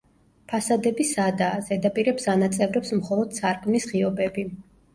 ფასადები სადაა, ზედაპირებს ანაწევრებს მხოლოდ სარკმლის ღიობები.